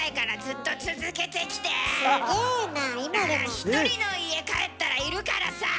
１人の家帰ったらいるからさあ。